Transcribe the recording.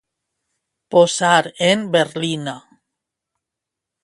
Posar en berlina.